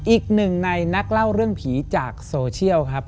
อีกหนึ่งในนักเล่าเรื่องผีจากโซเชียลครับ